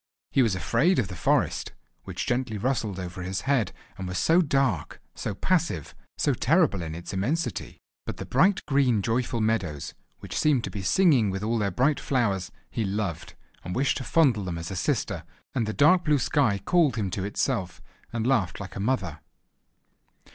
He was afraid of the forest, which gently rustled over his head, and was so dark, so passive, so terrible in its immensity. But the bright green joyful meadows, which seemed to be singing with all their bright flowers, he loved, and wished to fondle them as a sister; and the dark blue sky called him to itself, and laughed like a mother.